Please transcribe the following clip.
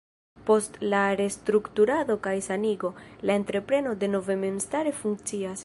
Post la restrukturado kaj sanigo, la entrepreno denove memstare funkcias.